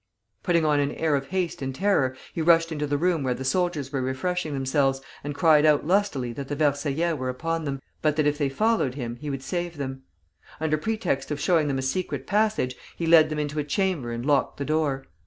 Putting on an air of haste and terror, he rushed into the room where the soldiers were refreshing themselves, and cried out lustily that the Versaillais were upon them, but that if they followed him, he would save them. Under pretence of showing them a secret passage, he led them into a chamber and locked the door.